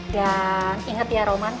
dan inget ya roman